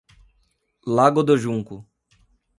Lago do Junco